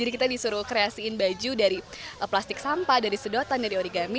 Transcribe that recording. jadi kita disuruh kreasiin baju dari plastik sampah dari sedotan dari origami